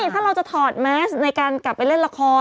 ถ้าเราจะถอดแมสในการกลับไปเล่นละคร